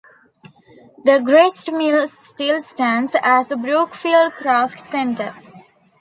The grist mill still stands, as the Brookfield Craft Center.